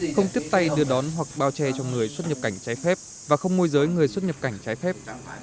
không tiếp tay đưa đón hoặc bao che cho người xuất nhập cảnh trái phép và không môi giới người xuất nhập cảnh trái phép